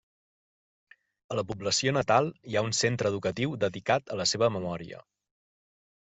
A la població natal, hi ha un centre educatiu dedicat a la seva memòria.